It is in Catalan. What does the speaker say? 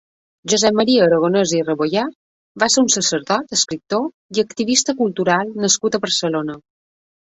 Josep Maria Aragonès i Rebollar va ser un sacerdot, escriptor i activista cultural nascut a Barcelona.